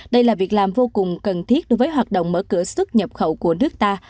đây là việc làm vô cùng cần thiết đối với hoạt động mở cửa xuất nhập khẩu của nước ta